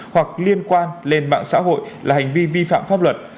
hoặc liên quan lên mạng xã hội là hành vi vi phạm pháp luật